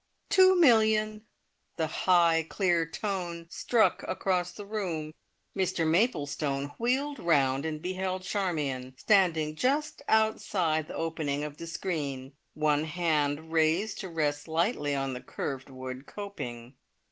"Two millions." The high clear tone struck across the room. Mr Maplestone wheeled round and beheld Charmion standing just outside the opening of the screen, one hand raised to rest lightly on the curved wood coping.